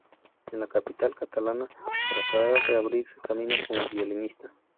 En la capital catalana tratará de abrirse camino como violinista.